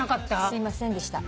すいませんでした。